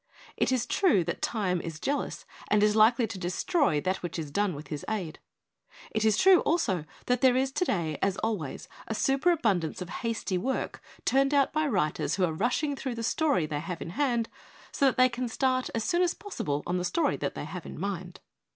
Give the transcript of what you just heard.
It is true that Time is jealous and is likely to destroy that which is done with his aid. It is true also that there is today as al ways a superabundance of hasty work turned out by writers who are rushing through the story they have in hand so that they can start as soon as possible on the story they have in mind.